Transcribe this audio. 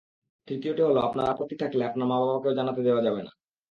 তৃতীয়টি হলো, আপনার আপত্তি থাকলে আপনার মা-বাবাকেও জানতে দেওয়া হবে না।